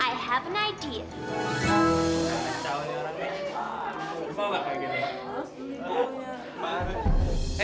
aku punya ide